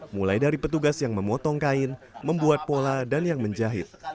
mulai dari petugas yang memotong kain membuat pola dan yang menjahit